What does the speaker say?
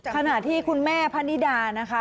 ขณะที่คุณแม่พะนิดานะคะ